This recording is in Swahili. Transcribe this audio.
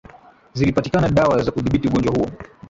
zilipatikana dawa za kudhibiti ugonjwa huo